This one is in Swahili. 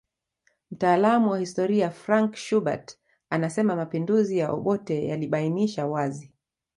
Mtaalamu wa historia Frank Schubert anasema mapinduzi ya Obote yalibainisha wazi